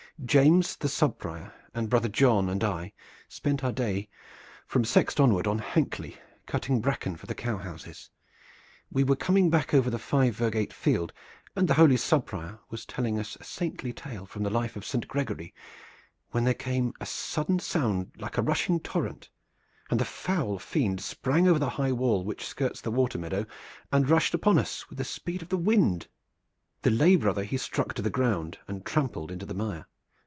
James the subprior, and Brother John and I had spent our day from sext onward on Hankley, cutting bracken for the cow houses. We were coming back over the five virgate field, and the holy subprior was telling us a saintly tale from the life of Saint Gregory, when there came a sudden sound like a rushing torrent, and the foul fiend sprang over the high wall which skirts the water meadow and rushed upon us with the speed of the wind. The lay brother he struck to the ground and trampled into the mire.